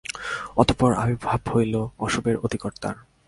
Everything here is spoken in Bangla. অতঃপর আবির্ভাব হইল অশুভের অধিকর্তার।